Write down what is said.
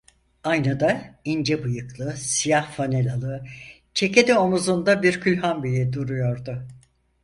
Aynada ince bıyıklı, siyah fanilalı, ceketi omuzunda bir külhanbeyi duruyordu.